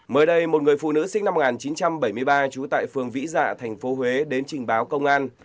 mới đây một người phụ nữ sinh năm một nghìn chín trăm bảy mươi ba trú tại phường vĩ dạ tp huế đến trình báo công an